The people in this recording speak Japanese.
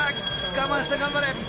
我慢して頑張れ！